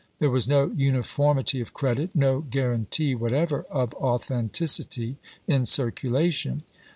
There was no uniformity of credit, no guaranty whatever of authenticity in circulation.